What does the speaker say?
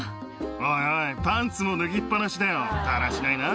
おいおいパンツも脱ぎっ放しだよだらしないな。